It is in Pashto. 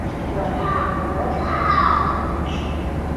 وعدې باید په وخت سره پوره کړل شي.